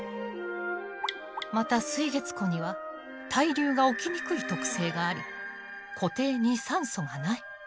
また水月湖には対流が起きにくい特性があり湖底に酸素がない。